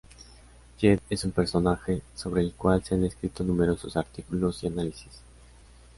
Jade es un personaje sobre el cual se han escrito numerosos artículos y análisis.